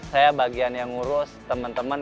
saya bagian yang ngurus teman teman